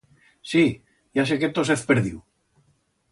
Sí, ya sé que tos hez perdiu.